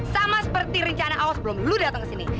sama seperti rencana awal sebelum lu datang ke sini